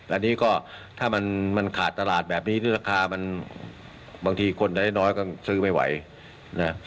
อันนี้ก็ถ้ามันขาดตลาดแบบนี้ราคามันบางทีคนได้น้อยก็ซื้อไม่ไหวนะ